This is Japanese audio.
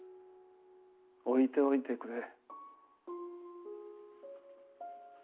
置いておいてくれ。